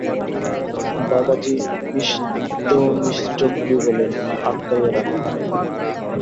বাবাজী মিষ্ট মিষ্ট বুলি বলেন, আর আটকাইয়া রাখেন।